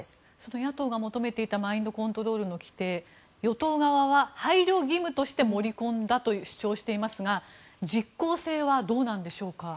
野党が求めていたマインドコントロールの規定与党側は配慮義務として盛り込んだと主張していますが実効性はどうなんでしょうか。